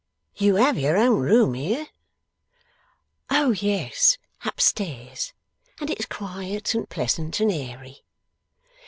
'You have your own room here?' 'Oh yes. Upstairs. And it's quiet, and pleasant, and airy.